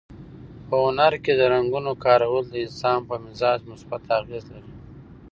په هنر کې د رنګونو کارول د انسان په مزاج مثبت اغېز لري.